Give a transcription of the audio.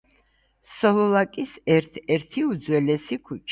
სოლოლაკის ერთ-ერთი უძველესი ქუჩა.